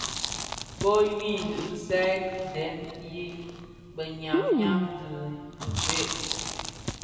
Bô yu dhi kisai ki dèn i biňyam ňyam dhi gëëk.